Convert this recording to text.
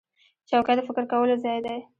چوکۍ د فکر کولو ځای دی.